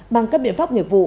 bằng các biện pháp nghiệp vụ